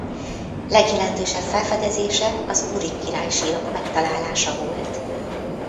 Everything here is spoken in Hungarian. Legjelentősebb felfedezése az uri királysírok megtalálása volt.